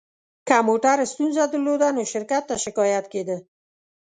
که موټر ستونزه درلوده، نو شرکت ته شکایت کېده.